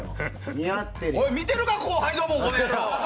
おい、見てるか後輩ども！